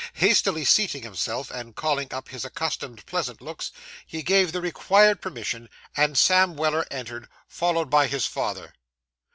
Hastily seating himself, and calling up his accustomed pleasant looks, he gave the required permission, and Sam Weller entered, followed by his father.